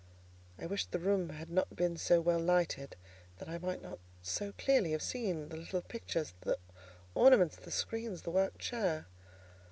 I wished the room had not been so well lighted, that I might not so clearly have seen the little pictures, the ornaments, the screens, the worked chair.